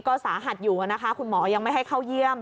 ก็สาหัสอยู่นะคะคุณหมอยังไม่ให้เข้าเยี่ยม